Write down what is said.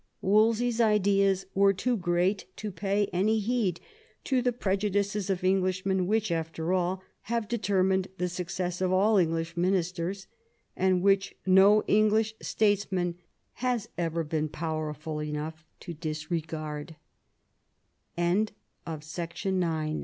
Wolsey's ideas were too great to pay any heed to the prejudices of Englishmen which, after all, have determined the success of all English ministers, and which no English statesman has ever been po